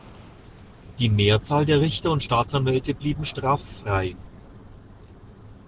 Die Mehrzahl der Richter und Staatsanwälte blieben straffrei.